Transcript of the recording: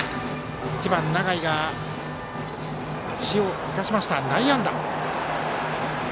１番、永井が足を生かして内野安打。